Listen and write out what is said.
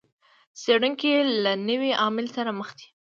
څېړونکي له نوي عامل سره مخ دي.